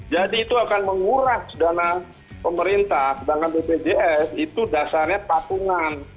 jadi itu akan mengurang dana pemerintah sedangkan bpjs itu dasarnya patungan